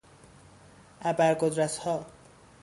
ابر قدرتها